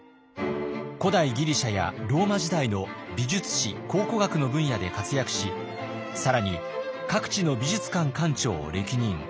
古代ギリシャやローマ時代の美術史考古学の分野で活躍し更に各地の美術館館長を歴任。